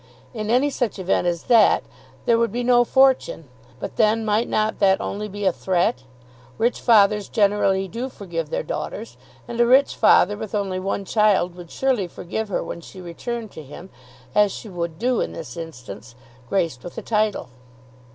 In any such event as that there would be no fortune. But then, might not that only be a threat? Rich fathers generally do forgive their daughters, and a rich father with only one child would surely forgive her when she returned to him, as she would do in this instance, graced with a title.